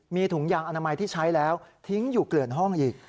มีถุงยางอนามัยที่ใช้แล้วทิ้งอยู่เกลื่อนห้องอีก